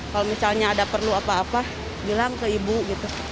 kalau misalnya ada perlu apa apa bilang ke ibu gitu